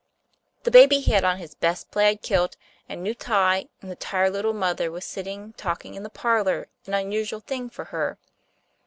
The baby had on his best plaid kilt and new tie, and the tired little mother was sitting talking in the parlor, an unusual thing for her.